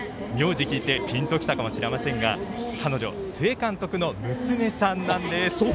名字を聞いてピンときたかもしれませんが彼女、須江監督の娘さんなんです。